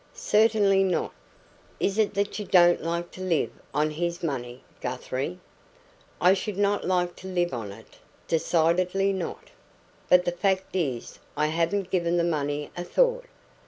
"Certainly not." "Is it that you don't like to live on his money, Guthrie?" "I should NOT like to live on it decidedly not. But the fact is, I haven't given the money a thought."